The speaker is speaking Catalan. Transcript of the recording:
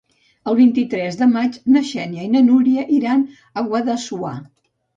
El vint-i-tres de maig na Xènia i na Núria iran a Guadassuar.